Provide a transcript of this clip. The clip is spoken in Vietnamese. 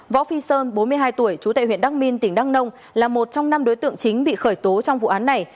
võ phi sơn bốn mươi hai tuổi trú tại huyện đắc minh tỉnh đăng nông là một trong năm đối tượng chính bị khởi tố trong vụ án này